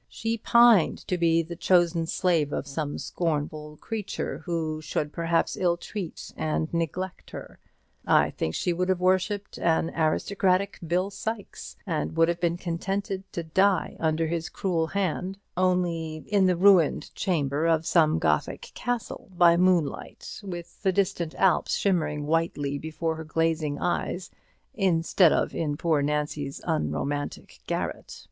She pined to be the chosen slave of some scornful creature, who should perhaps ill treat and neglect her. I think she would have worshipped an aristocratic Bill Sykes, and would have been content to die under his cruel hand, only in the ruined chamber of some Gothic castle, by moonlight, with the distant Alps shimmering whitely before her glazing eyes, instead of in poor Nancy's unromantic garret.